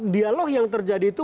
dialog yang terjadi itu